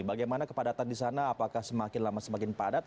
bagaimana kepadatan di sana apakah semakin lama semakin padat